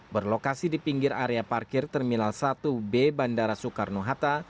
berlokasi di pinggir area parkir terminal satu b bandara soekarno hatta